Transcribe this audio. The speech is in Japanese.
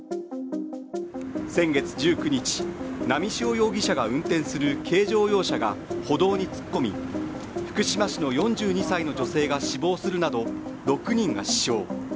先月１９日、波汐容疑者が運転する軽乗用車が歩道に突っ込み、福島市の４２歳の女性が死亡するなど６人が死傷。